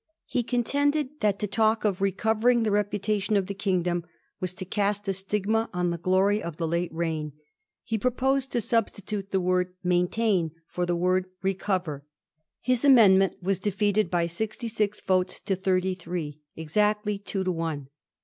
He contended that to talk of * re covering ' the reputation of the kingdom was to cast a stigma on the glory of the late reign. He pro posed to substitute the word * maintain' for the word * recover.' His amendment was defeated by Digiti zed by Google 1716 FLIGHT OF BOLINGBROKE. 135 aixty six votes to thirty three ; exactly two to one.